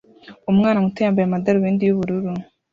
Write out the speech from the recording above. Umwana muto yambaye amadarubindi y'ubururu